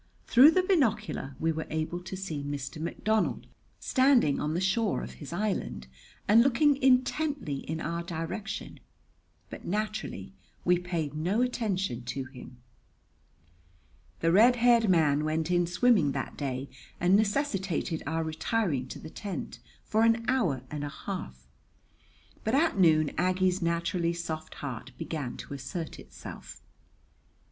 Through the binocular we were able to see Mr. McDonald standing on the shore of his island and looking intently in our direction, but naturally we paid no attention to him. The red haired man went in swimming that day and necessitated our retiring to the tent for an hour and a half; but at noon Aggie's naturally soft heart began to assert itself.